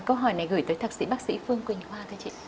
câu hỏi này gửi tới thạc sĩ bác sĩ phương quỳnh hoa thưa chị